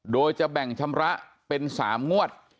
โดยจะแบ่งชำระเป็น๓งวด